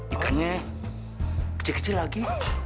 ikannya kecil kecil lagi